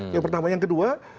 yang pertama yang kedua